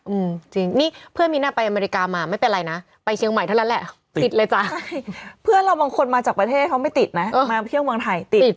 อืมจริงนี่เพื่อนมีน่ะไปอเมริกามาไม่เป็นไรนะไปเชียงใหม่เท่านั้นแหละติดเลยจ้ะ